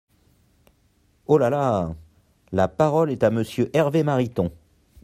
Oh là là ! La parole est à Monsieur Hervé Mariton.